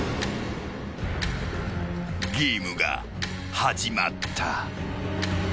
［ゲームが始まった］